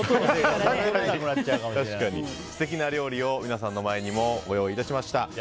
素敵な料理を皆さんの前にもご用意いたしました。